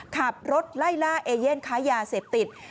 ขับรถไล่ล่าเอเย่นค้ายาเสพติด